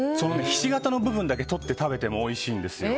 ひし形の部分だけ取って食べてもおいしいんですよ。